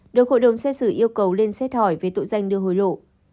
được hội đồng xét xử yêu cầu lên xét hỏi về tội danh đưa hối lộ